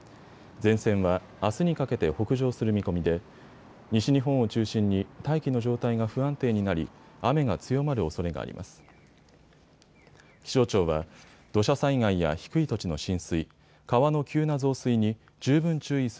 前線はあすにかけて北上する見込みで西日本を中心に大気の状態が不安定になり雨が強まるおそれがあります。